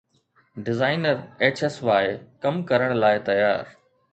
designer HS Y ڪم ڪرڻ لاءِ تيار